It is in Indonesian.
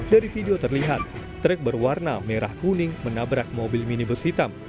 dari video terlihat trek berwarna merah kuning menabrak mobil minibus hitam